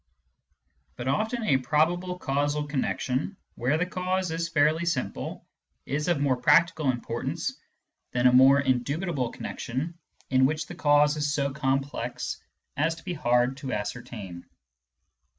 But often a probable causal connection, where the cause is fairly simple, is of more practical importance than a more indubitable con nection in which the cause is so complex as to be hard to ascertain.